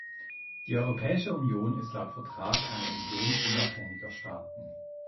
Die Europäische Union ist laut Vertrag eine Union unabhängiger Staaten.